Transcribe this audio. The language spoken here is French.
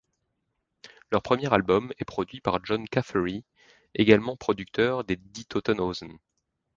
Leur premier album est produit par Jon Caffery, également producteur des Die Toten Hosen.